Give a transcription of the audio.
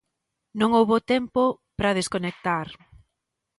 Non houbo tempo para desconectar.